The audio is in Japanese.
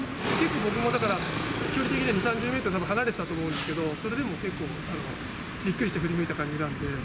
僕もだから、距離的に２、３０メートル離れてたと思うんですけど、それでも結構びっくりして振り向いた感じなんで。